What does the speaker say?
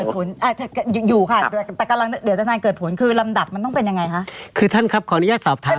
คือท่านครับขออนุญาตสอบถามแทนโอ้ยถามที่ฉันอย่าฉันถาม